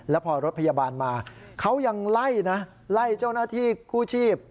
แล้วพอรถพยาบาลมาเขายังไล่นะไล่เจ้าหน้าที่กู้ชีพ